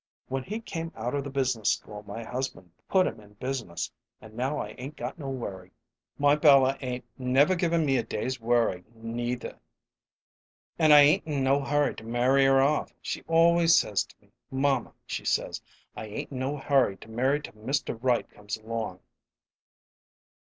When he came out of the business school my husband put him in business, and now I 'ain't got no worry." "My Bella 'ain't never given me a day's worry, neither. I ain't in no hurry to marry her off. She always says to me, 'Mamma,' she says, 'I ain't in no hurry to marry till Mr. Right comes along.'"